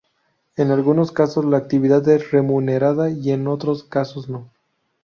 En algunos casos, la actividad es remunerada y en otros casos no.